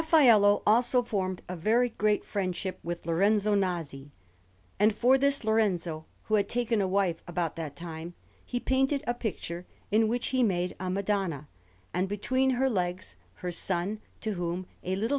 Milan: Brera, 472_) Anderson] Raffaello also formed a very great friendship with Lorenzo Nasi; and for this Lorenzo, who had taken a wife about that time, he painted a picture in which he made a Madonna, and between her legs her Son, to whom a little S.